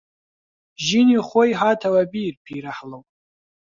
ژینی خۆی هاتەوە بیر پیرەهەڵۆ